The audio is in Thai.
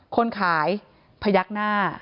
คนขายพยักหน้า